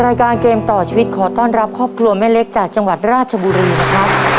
รายการเกมต่อชีวิตขอต้อนรับครอบครัวแม่เล็กจากจังหวัดราชบุรีนะครับ